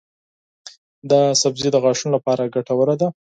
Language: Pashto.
دا سبزی د غاښونو لپاره ګټور دی.